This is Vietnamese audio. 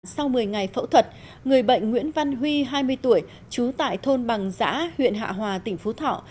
sau một mươi ngày phẫu thuật người bệnh nguyễn văn huy hai mươi tuổi trú tại thôn bằng giã huyện hạ hòa tỉnh phú thọ